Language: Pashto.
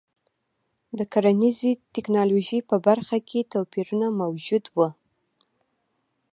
د کرنیزې ټکنالوژۍ په برخه کې توپیرونه موجود وو.